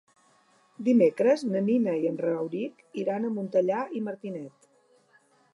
Dimecres na Nina i en Rauric iran a Montellà i Martinet.